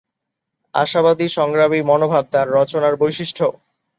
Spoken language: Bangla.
আশাবাদী সংগ্রামী মনোভাব তার রচনার বৈশিষ্ট্য।